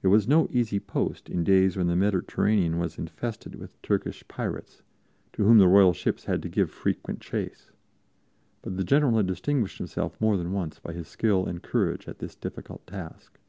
It was no easy post in days when the Mediterranean was infested with Turkish pirates, to whom the royal ships had to give frequent chase; but the General had distinguished himself more than once by his skill and courage at this difficult task.